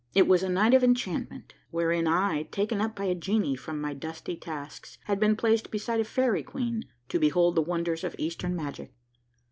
It was a night of enchantment, wherein I, taken up by a genie from my dusty tasks, had been placed beside a fairy queen to behold the wonders of Eastern magic.